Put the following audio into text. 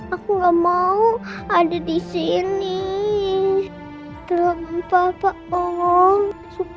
aku gak mau